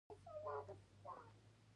مورغاب سیند د افغانستان یو طبعي ثروت دی.